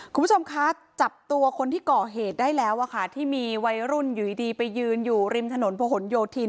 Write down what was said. คุณผู้ชมคะจับตัวคนที่ก่อเหตุได้แล้วอะค่ะที่มีวัยรุ่นอยู่ดีไปยืนอยู่ริมถนนพะหนโยธิน